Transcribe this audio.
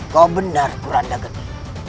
kau benar kuranda gede